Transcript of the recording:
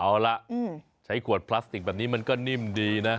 เอาล่ะใช้ขวดพลาสติกแบบนี้มันก็นิ่มดีนะ